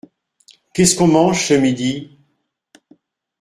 Qu’est-ce qu’on mange ce midi ?